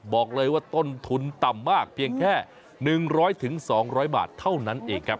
บอกเลยว่าต้นทุนต่ำมากเพียงแค่๑๐๐๒๐๐บาทเท่านั้นเองครับ